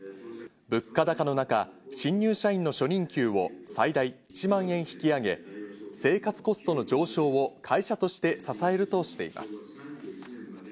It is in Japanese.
物価高の中、新入社員の初任給を最大１万円引き上げ、生活コストの上昇を会社として支えるとしています。